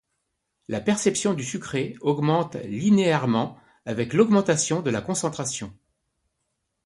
La perception du sucré augmente linéairement avec l’augmentation de la concentration.